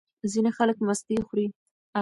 ځینې خلک مستې خوري.